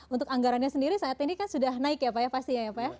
untuk anggarannya sendiri saat ini kan sudah naik ya pak ya pastinya ya pak ya